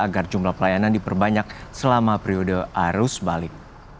agar jumlah pelayanan diperbanyak selama periode arus balik